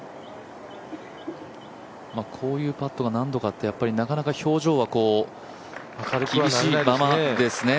こういうパットが何度かあってなかなか表情は、厳しいままですね